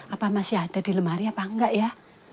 apa masih ada di lemari apa enggak ya